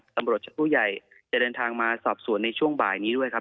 ตำรวจผู้ใหญ่จะเดินทางมาสอบสวนในช่วงบ่ายนี้ด้วยครับ